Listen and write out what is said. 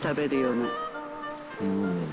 うん。